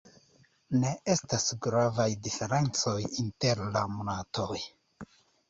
Ne estas gravaj diferencoj inter la monatoj.